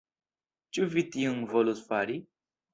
Ĉu vi tion volus fari?